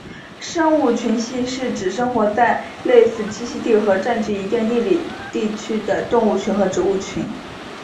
生物群系是指生活在类似栖息地和占据一定地理地区的动物群和植物群。